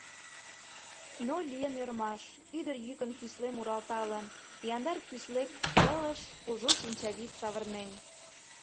Но лийын ӧрмаш: ӱдыр йӱкын кӱсле муралталын, Яндар кӱсле кылыш кужу шинчавӱд савырнен.